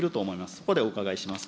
そこでお伺いします。